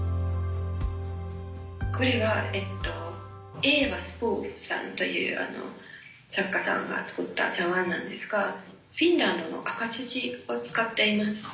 これはエヴァ・スプーフさんという作家さんが作った茶碗なんですがフィンランドの赤土を使っています。